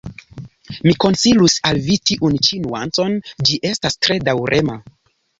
Mi konsilus al vi tiun ĉi nuancon; ĝi estas tre daŭrema.